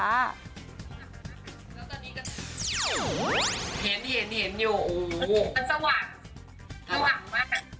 เห็นอยู่มันสว่างสว่างมาก